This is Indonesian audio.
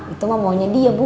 itu mah maunya dia bu